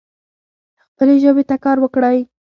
خپلي ژبي ته کار وکړئ.